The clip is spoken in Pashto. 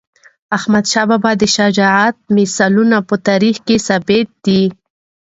احمدشاه بابا د شجاعت مثالونه په تاریخ کې ثبت دي.